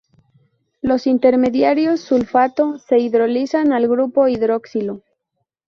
Los intermediarios sulfato se hidrolizan al grupo hidroxilo.